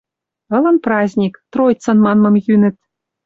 Ылын праздник, тройцын манмым йӱнӹт.